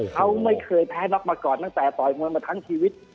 เขาไม่เคยแพ้น็อกมาก่อนตั้งแต่ต่อยมวยมาทั้งชีวิต